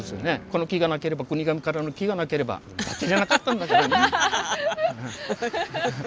この木がなければ国頭からの木がなければ出来なかったんだからね。